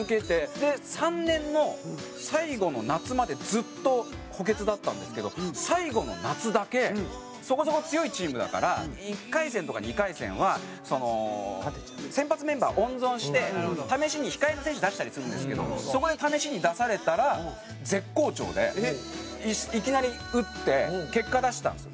で３年の最後の夏までずっと補欠だったんですけど最後の夏だけそこそこ強いチームだから１回戦とか２回戦は先発メンバー温存して試しに控えの選手出したりするんですけどそこで試しに出されたら絶好調でいきなり打って結果出したんですよ。